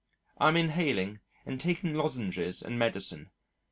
I am inhaling and taking lozenges and medicine.